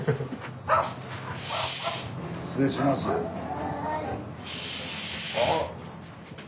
・はい。